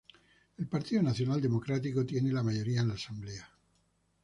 El Partido Nacional Democrático tiene la mayoría en la Asamblea.